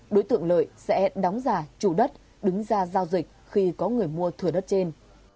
đối tượng lợi sẽ đóng giả chủ đất đứng ra giao dịch khi có người mua thửa đất trên